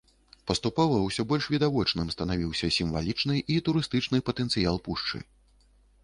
Паступова ўсё больш відавочным станавіўся сімвалічны і турыстычны патэнцыял пушчы.